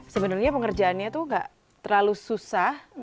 sebenarnya pengerjaannya itu nggak terlalu susah